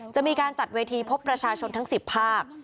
จะมีการจัดเวทีพบประชาชนทั้ง๑๐ภาค